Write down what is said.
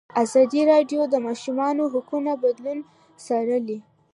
ازادي راډیو د د ماشومانو حقونه بدلونونه څارلي.